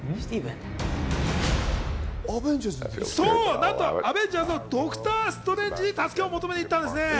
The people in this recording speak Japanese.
なんとアベンジャーズのドクター・ストレンジに助けを求めに行ったんです。